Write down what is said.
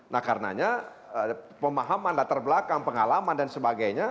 nah karenanya pemahaman latar belakang pengalaman dan sebagainya